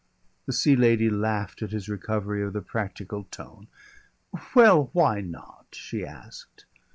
The Sea Lady laughed at his recovery of the practical tone. "Well, why not?" she asked.